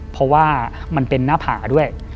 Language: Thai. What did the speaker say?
เพราะว่ามันเป็นหน้าผาด้วย